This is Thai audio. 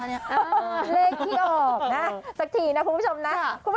เลขที่ออกนะสักทีนะคุณผู้ชมนะ